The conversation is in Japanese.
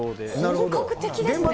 本格的ですね。